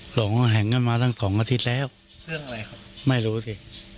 หลงแห่งกันมาตั้งสองอาทิตย์แล้วเรื่องอะไรครับไม่รู้สิ